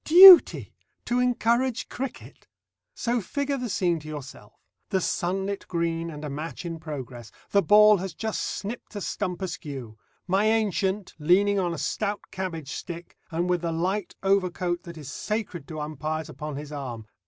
Duty to encourage cricket! So figure the scene to yourself. The sunlit green, and a match in progress, the ball has just snipped a stump askew, my ancient, leaning on a stout cabbage stick, and with the light overcoat that is sacred to umpires upon his arm.